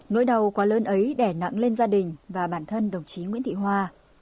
nỗi đau quá lớn ấy đè nặng lên gia đình và bản thân đồng chí nguyễn thị hoa